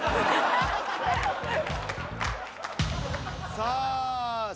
さあ。